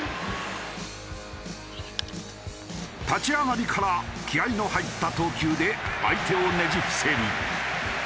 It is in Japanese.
立ち上がりから気合の入った投球で相手をねじ伏せる。